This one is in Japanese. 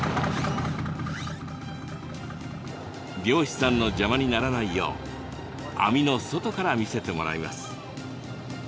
漁師さんの邪魔にならないよう網の外から見せてもらいます。